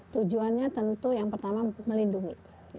tujuannya tentu yang pertama melindungi